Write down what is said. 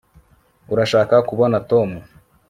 urashaka kubona tom